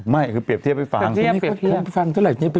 ไม่คือเปรียบเทียบให้ฟังเปรียบเทียบเปรียบเทียบ